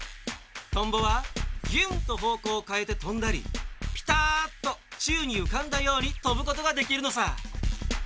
とんぼはギュンッとほうこうをかえてとんだりピターッとちゅうにうかんだようにとぶことができるのさ。